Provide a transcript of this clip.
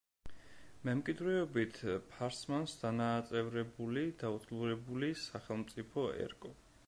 მემკვიდრეობით ფარსმანს დანაწევრებული, დაუძლურებული სახელმწიფო ერგო.